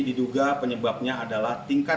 diduga penyebabnya adalah tingkatnya